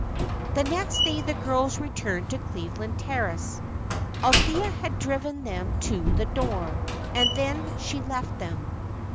The next day the girls returned to Cleveland Terrace. Althea had driven them to the door, and then she left them.